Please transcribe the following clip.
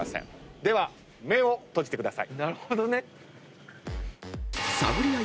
では目を開けてください。